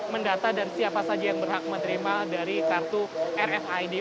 mendata dan siapa saja yang berhak menerima dari kartu rfid